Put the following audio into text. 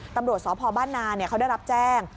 ตำรวจสพบ้านนาเขาได้รับแจ้ง